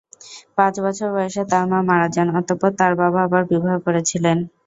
পাঁচ বছর বয়সে তাঁর মা মারা যান, অতঃপর তাঁর বাবা আবার বিবাহ করেছিলেন।